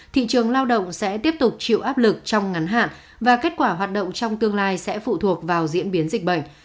thị trường lao động sẽ tiếp tục chịu áp lực trong ngắn hạn và kết quả hoạt động trong tương lai sẽ phụ thuộc vào diễn biến dịch bệnh